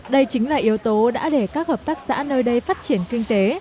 đây chính là yếu tố đã để các hợp tác xã nơi đây phát triển kinh tế